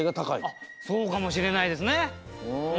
あっそうかもしれないですね。